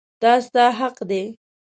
دا ستا حق دی.